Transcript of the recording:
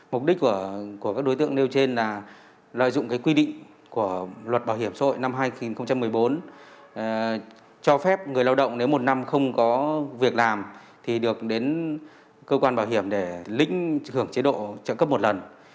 mục đích của các đối tượng nêu trên là lợi dụng quy định của luật bảo hiểm xã hội năm hai nghìn một mươi bốn cho phép người lao động nếu một năm không có việc làm thì được đến cơ quan bảo hiểm để lĩnh hưởng chế độ trợ cấp một lần